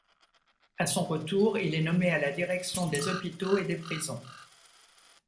À son retour, il est nommé à la direction des hôpitaux et des prisons.